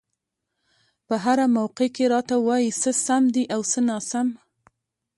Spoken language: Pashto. په هره موقع کې راته وايي څه سم دي او څه ناسم.